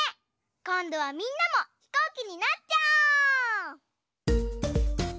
こんどはみんなもひこうきになっちゃおう！